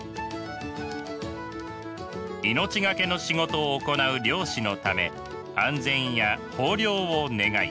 命懸けの仕事を行う漁師のため安全や豊漁を願い